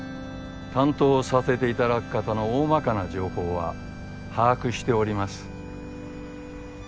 担当させていただく方のおおまかな情報は把握しております。